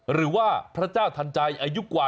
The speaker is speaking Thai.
หรือว่าพระเจ้าทันใจอายุกว่า